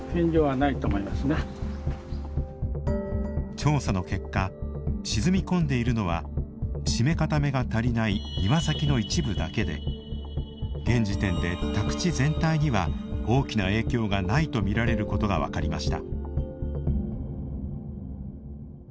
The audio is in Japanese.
調査の結果沈み込んでいるのは締め固めが足りない庭先の一部だけで現時点で宅地全体には大きな影響がないとみられることが分かりました。